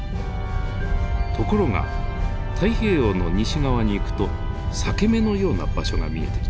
ところが太平洋の西側に行くと裂け目のような場所が見えてきます。